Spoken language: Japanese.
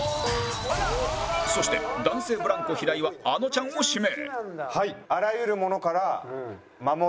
そして男性ブランコ平井はあのちゃんを指名